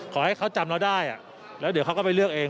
ขอให้เขาจำเราได้แล้วเดี๋ยวเขาก็ไปเลือกเอง